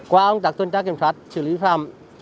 qua công tác tuần tra kiểm soát xử lý phạm